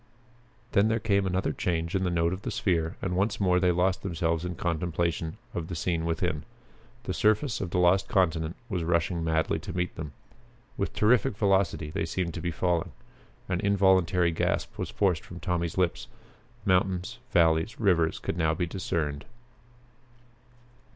Then there came another change in the note of the sphere and once more they lost themselves in contemplation of the scene within. The surface of the lost continent was rushing madly to meet them. With terrific velocity they seemed to be falling. An involuntary gasp was forced from Tommy's lips. Mountains, valleys, rivers could now be discerned.